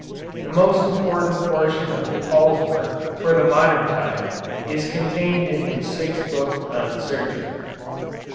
The most important portion of Paul's work for the modern time is contained in his sixth book on surgery.